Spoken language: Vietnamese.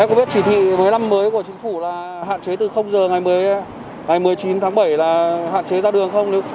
em có biết chỉ thị với năm mới của chính phủ là hạn chế từ giờ ngày một mươi chín tháng bảy là hạn chế ra đường không